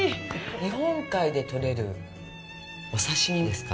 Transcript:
日本海で取れるお刺身ですか。